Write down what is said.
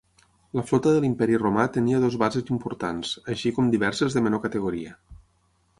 La flota de l'Imperi Romà tenia dues bases importants, així com diverses de menor categoria.